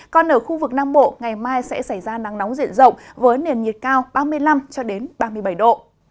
còn ở khu vực nam bộ ngày mai sẽ xảy ra nắng nóng diện rộng với nền nhiệt cao ba mươi năm ba mươi bảy độ